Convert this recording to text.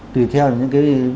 tùy theo những cái